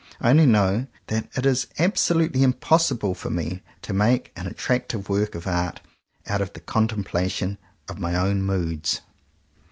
I only know that it is absolutely impossible for me to make an attractive work of art out of the contemplation of my own moods.